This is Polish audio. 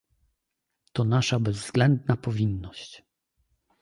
to nasza bezwzględna powinność